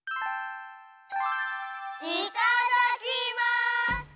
いただきます！